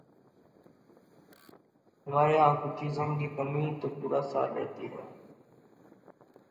ہمارے ہاں کچھ چیزوں کی کمی تو پورا سال رہتی ہے۔